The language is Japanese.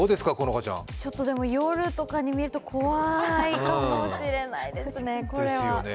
夜とかに見ると怖いかもしれないですね、これは。